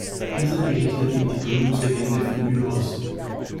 Dieser berichtet ihm die Gründungslegende von Tyros.